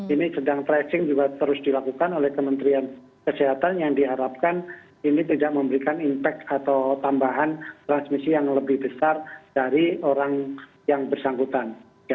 ini sedang tracing juga terus dilakukan oleh kementerian kesehatan yang diharapkan ini tidak memberikan impact atau tambahan transmisi yang lebih besar dari orang yang bersangkutan